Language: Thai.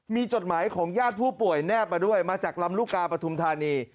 มีจดหมายของญาติผู้ป่วยแนบมาด้วยมาจากลำลูกกาปฐุมธานี